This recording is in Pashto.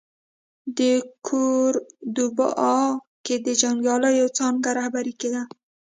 د کوردوبا کې د جنګیاليو څانګه رهبري کېده.